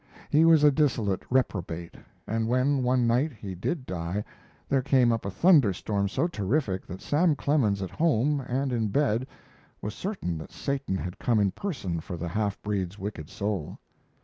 He was a dissolute reprobate, and when, one night, he did die there came up a thunder storm so terrific that Sam Clemens at home and in bed was certain that Satan had come in person for the half breed's wicked soul.